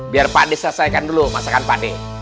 biar pakde selesaikan dulu masakan pakde